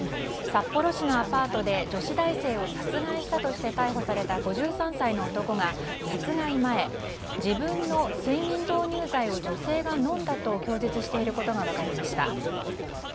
札幌市のアパートで女子大生を殺害したとして逮捕された５３歳の男が殺害前自分の睡眠導入剤を女性が飲んだと供述していることが分かりました。